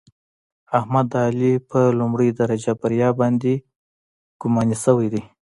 احمد د علي په لومړۍ درجه بریا باندې ګماني شوی دی.